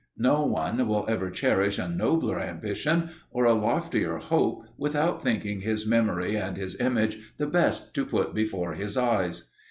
No one will ever cherish a nobler ambition or a loftier hope without thinking his memory and his image the best to put before his eyes.